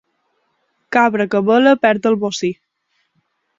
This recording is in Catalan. Cabra que bela perd el bocí.